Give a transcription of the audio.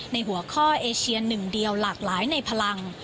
ในหัวข้อเอเชียหนึ่งเดียวหลากหลายในพลัง